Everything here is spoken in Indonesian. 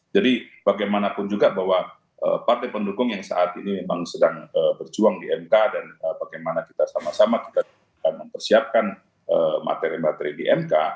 jadi bagaimanapun juga bahwa partai pendukung yang saat ini memang sedang berjuang di mk dan bagaimana kita sama sama kita mempersiapkan materi materi di mk